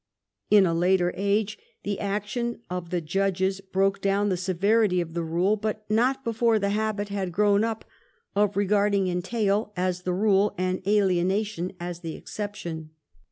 In a later age the action of the judges broke down the severity of the rule, but not before the habit had grown up of regarding entail as the rule and alienation as the exception.